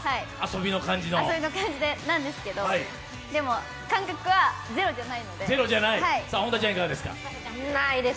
遊びの感じなんですけど、でも感覚はゼロじゃないので。